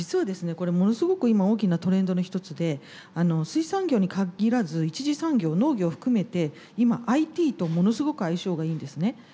これものすごく今大きなトレンドの一つで水産業に限らず１次産業農業含めて今ＩＴとものすごく相性がいいんですね。